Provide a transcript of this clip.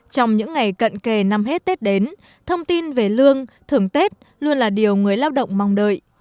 trong những ngày cận kề năm hết tết đến thông tin về lương thưởng tết luôn là điều người lao động mong đợi